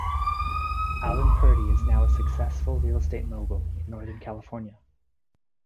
Alan Purdy is now a successful real estate mogul in northern California.